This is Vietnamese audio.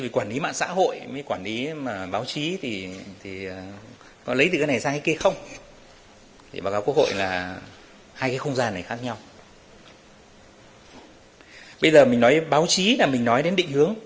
quản lý mạng xã hội với quản lý báo chí thì có lấy từ cái này sang cái kia không